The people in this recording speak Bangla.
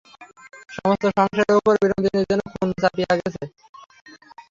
সমস্ত সংসারের উপর বিনোদিনীর যেন খুন চাপিয়া গেছে।